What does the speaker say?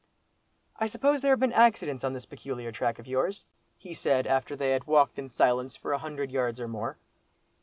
"I suppose there have been accidents on this peculiar track of yours?" he said, after they had walked in silence for a hundred yards or more.